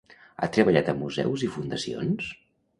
Ha treballat a museus i fundacions?